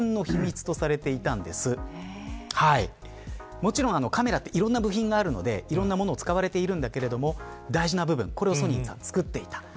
もちろんカメラはいろんな部品があるので色のものが使われているんだけど大事な部分をソニーが作っていた。